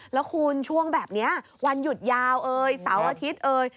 แล้วคุณช่วงแบบนี้วันหยุดยาวเสาร์อาทิตย์